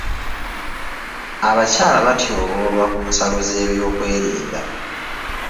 Abakyala batyoboolwa ku nsalo z'ebyokwerinda.